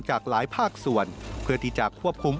จากหลายภาคส่วนเพื่อที่จะควบคุม